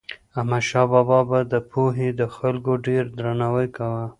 احمدشاه بابا به د پوهې د خلکو ډېر درناوی کاوه.